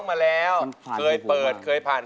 ครับมีแฟนเขาเรียกร้อง